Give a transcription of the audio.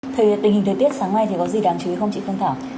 thì tình hình thời tiết sáng mai thì có gì đáng chú ý không chị phương thảo